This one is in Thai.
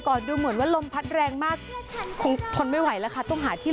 ดูเหมือนว่าลมพัดแรงมากคงทนไม่ไหวแล้วค่ะต้องหาที่